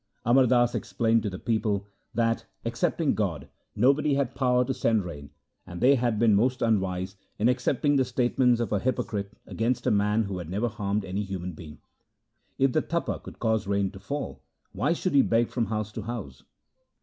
Amar Das explained to the people that, excepting God, nobody had power to send rain, and they had been most unwise in accepting the statements of a hypocrite against a man who had never harmed any human being. If the Tapa could cause rain to fall, why should he beg from house to house